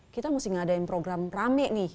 kita mesti ngadain program rame nih